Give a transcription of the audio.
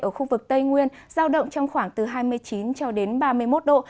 ở khu vực tây nguyên giao động trong khoảng từ hai mươi chín ba mươi một độ